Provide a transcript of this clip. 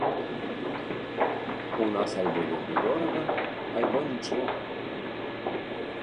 У нас альбо вельмі дорага, альбо нічога.